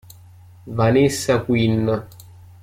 Vanessa Quin